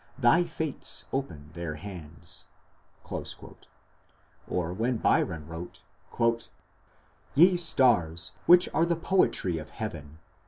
Thy Fates open their hands.... or when Byron wrote: Ye stars! which are the poetry of heaven!